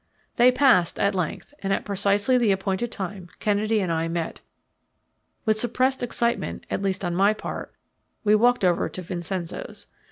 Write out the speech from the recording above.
They passed at length, and at precisely the appointed time Kennedy and I met. With suppressed excitement, at least on my part, we walked over to Vincenzo's.